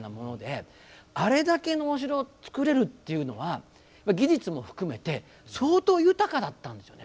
お城を造れるというのは技術も含めて相当豊かだったんですよね。